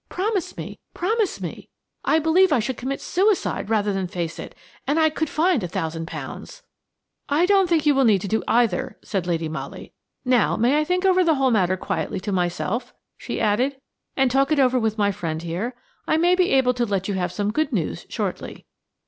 Promise me–promise me! I believe I should commit suicide rather than face it–and I could find a thousand pounds." "I don't think you need do either," said Lady Molly. "Now, may I think over the whole matter quietly to myself," she added, "and talk it over with my friend here? I may be able to let you have some good news shortly."